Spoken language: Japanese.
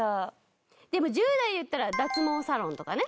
でも１０代で言ったら脱毛サロンとかね